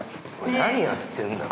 何やってんだよ。